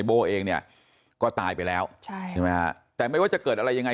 ออกซื้อมานะ